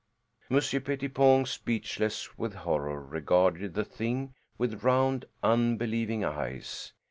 Monsieur Pettipon, speechless with horror, regarded the thing with round unbelieving eyes.